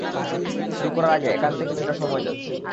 শুরু করার আগে একান্তে কিছুটা সময় চাচ্ছি?